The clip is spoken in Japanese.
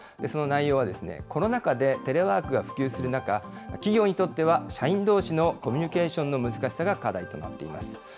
その内容は、コロナ禍でテレワークが普及する中、企業にとっては社員どうしのコミュニケーションの難しさが課題となっています。